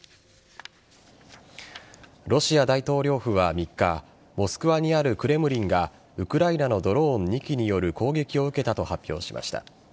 ロシア大統領府は３日モスクワにあるクレムリンがウクライナのドローン２機による攻撃を受けたと発表しました。